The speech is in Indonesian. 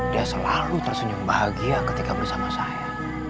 dia selalu tersenyum bahagia ketika bersama saya